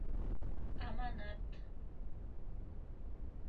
Аманат.